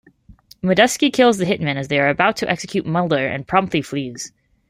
Modeski kills the hitmen as they are about to execute Mulder and promptly flees.